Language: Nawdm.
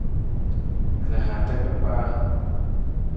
Ra hata kpakpaa.